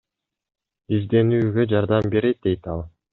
Изденүүгө жардам берет дейт ал.